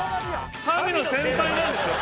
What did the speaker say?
神の先輩なんですよ。